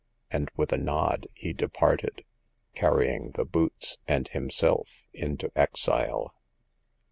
" and with a nod he de parted, carrying the boots and himself it\to ^^Aka.